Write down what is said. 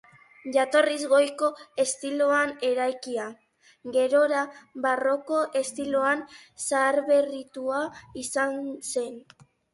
Jatorriz gotiko estiloan eraikia, gerora barroko estiloan zaharberritua izan zen.